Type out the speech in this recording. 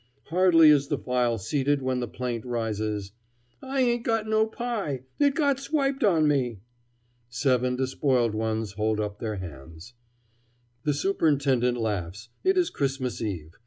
Hardly is the file seated when the plaint rises: "I ain't got no pie! It got swiped on me." Seven despoiled ones hold up their hands. The superintendent laughs it is Christmas eve.